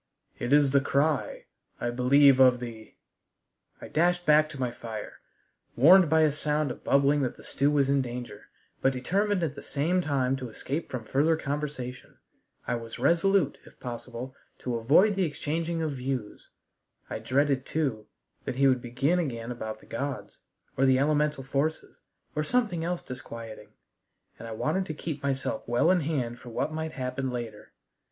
It is the cry, I believe of the " I dashed back to my fire, warned by a sound of bubbling that the stew was in danger, but determined at the same time to escape from further conversation. I was resolute, if possible, to avoid the exchanging of views. I dreaded, too, that he would begin again about the gods, or the elemental forces, or something else disquieting, and I wanted to keep myself well in hand for what might happen later.